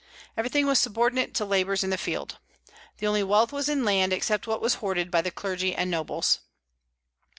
Everything was subordinate to labors in the field. The only wealth was in land, except what was hoarded by the clergy and nobles.